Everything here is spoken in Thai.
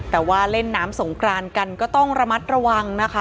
แต่ว่าเล่นน้ำสงกรานกันก็ต้องระมัดระวังนะคะ